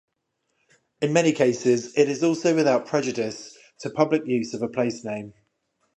In many cases, it is also without prejudice to public use of a placename.